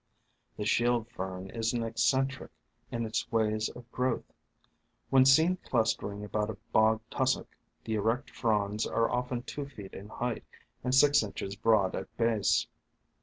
The Shield Fern is an eccentric in its ways of growth. When seen clustering about a bog tussock the erect fronds are often two feet in height and six inches broad at base.